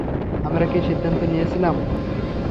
আমরা কী সিদ্ধান্ত নিয়েছিলাম?